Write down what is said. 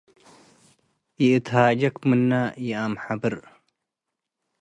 ይእትሃጄክ ምነ ይአምሐብር